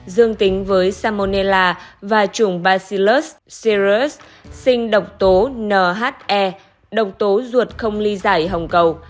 dương tính với salmonella và trùng bacillus cereus sinh độc tố nhe độc tố ruột không ly giải hồng cầu